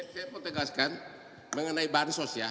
saya mau tegaskan mengenai bansos ya